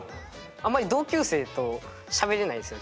あんまり同級生としゃべれないんですよ